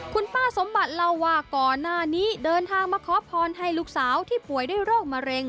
คุณป้าสมบัติเล่าว่าก่อนหน้านี้เดินทางมาขอพรให้ลูกสาวที่ป่วยด้วยโรคมะเร็ง